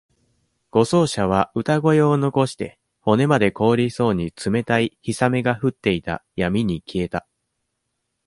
護送車は、歌声を残して、骨まで凍りそうに冷たい氷雨が降っていた闇に消えた。